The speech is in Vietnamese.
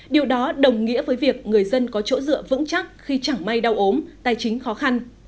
điều đó đồng nghĩa với việc người dân có chỗ dựa vững chắc khi chẳng may đau ốm tài chính khó khăn